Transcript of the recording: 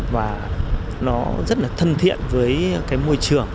và nó rất là thân thiện với cái môi trường